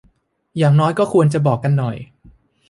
อย่างน้อยก็ควรจะบอกกันหน่อย